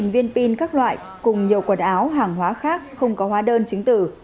một mươi viên pin các loại cùng nhiều quần áo hàng hóa khác không có hóa đơn chứng tử